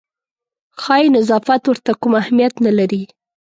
ښایي نظافت ورته کوم اهمیت نه لري.